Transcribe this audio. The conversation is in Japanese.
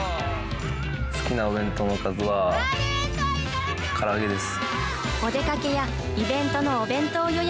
好きなお弁当のおかずはから揚げです。